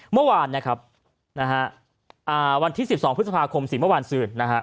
เมื่อวานนะครับวันที่๑๒พฤษภาคมสีเมื่อวานซื่นนะฮะ